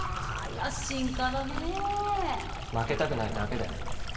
野心家だねえ負けたくないだけだよ